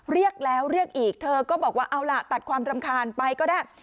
เรียกแล้วเรียกอีกเธอก็บอกว่าเอาล่ะตัดความรำคาญไปก็ได้